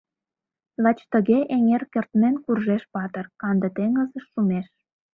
Лач тыге эҥер кыртмен куржеш Патыр, канде теҥызыш шумеш!